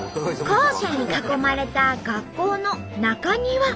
校舎に囲まれた学校の中庭。